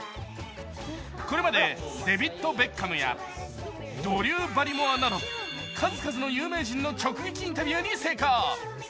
これまでデビッド・ベッカムやドリュー・バリモアなど数々の有名人の直撃インタビューに成功。